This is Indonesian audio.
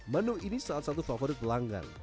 menu ini salah satu favorit pelanggan